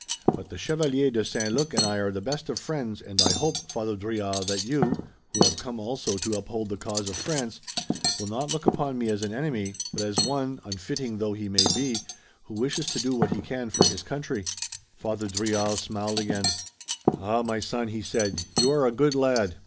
But the Chevalier de St. Luc and I are the best of friends, and I hope, Father Drouillard, that you, who have come also to uphold the cause of France, will not look upon me as an enemy, but as one, unfitting though he may be, who wishes to do what he can for his country." Father Drouillard smiled again. "Ah, my son," he said, "you are a good lad.